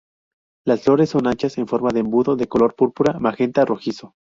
Las flores son anchas en forma de embudo de color púrpura magenta rojizo.